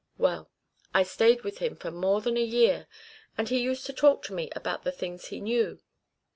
Well, I stayed with him for more than a year, and he used to talk to me about the things he knew.